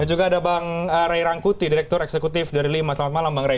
dan juga ada bang ray rangkuti direktur eksekutif dari lima selamat malam bang ray